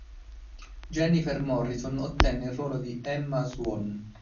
Jennifer Morrison ottenne il ruolo di Emma Swan.